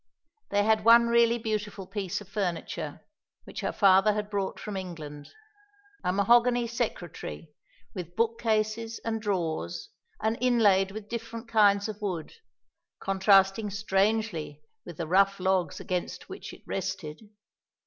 They had one really beautiful piece of furniture, which her father had brought from England a mahogany secretary, with book cases and drawers, and inlaid with different kinds of wood, contrasting strangely with the rough logs against which it rested.